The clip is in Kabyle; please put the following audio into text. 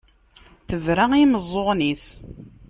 Tebra i yimeẓẓuɣen-is.